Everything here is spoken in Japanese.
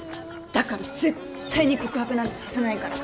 だから絶対に告白なんてさせないから。